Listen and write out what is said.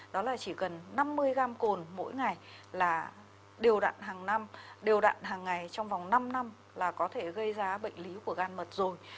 đó là chỉ cần năm mươi gram cồn mỗi ngày là điều đạn hàng năm đều đạn hàng ngày trong vòng năm năm là có thể gây ra bệnh lý của gan mật rồi